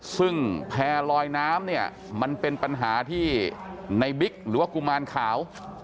ซึ่งแพร่ลอยน้ำเนี่ยมันเป็นปัญหาที่ในบิ๊กหรือว่ากุมารขาว